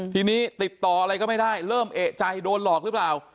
ทีนี้ติดต่ออะไรก็ไม่ได้เริ่มเอกใจโดนหลอกหรือเปล่า